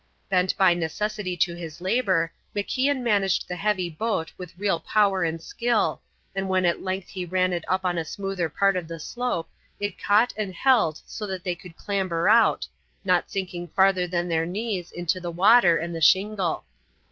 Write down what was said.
Bent by necessity to his labour, MacIan managed the heavy boat with real power and skill, and when at length he ran it up on a smoother part of the slope it caught and held so that they could clamber out, not sinking farther than their knees into the water and the shingle.